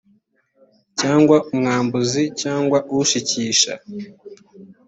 cyangwa umwambuzi cyangwa ushikisha